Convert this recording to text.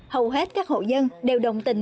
hầu hết các hộ dân đều đồng tình